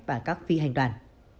và các phi hành đoàn